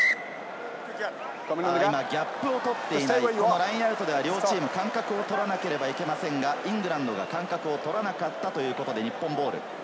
ギャップを取って、ラインアウトでは両チーム、間隔を取らなければいけませんが、イングランドが間隔をとらなかったということで日本ボール。